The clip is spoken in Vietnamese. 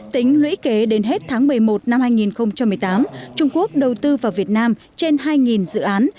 tính lũy kế đến hết tháng một mươi một năm hai nghìn một mươi tám trung quốc đầu tư vào việt nam trên hai dự án